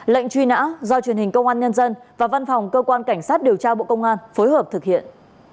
lệnh truy nã do truyền hình công an nhân dân và văn phòng cơ quan cảnh sát điều tra bộ công an phối hợp thực hiện